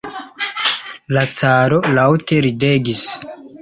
La caro laŭte ridegis.